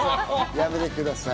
やめてください。